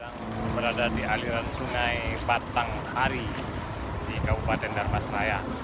kita berada di aliran sungai batanghari di kabupaten darmasraya